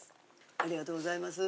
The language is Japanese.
ありがとうございます。